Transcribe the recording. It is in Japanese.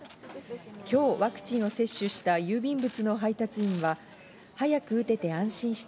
今日ワクチンを接種した郵便物の配達員は早く打てて安心した。